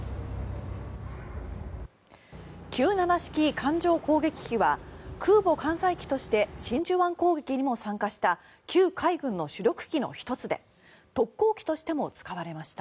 艦上攻撃機は空母艦載機として真珠湾攻撃にも参加した旧海軍の主力機の１つで特攻機としても使われました。